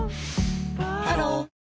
ハロー